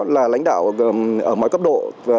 là lãnh đạo ở mọi cấp độ